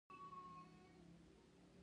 د وګړو وقار او شهرت څخه حفاظت وشي.